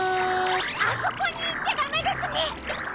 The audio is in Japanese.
あそこにいっちゃダメですね！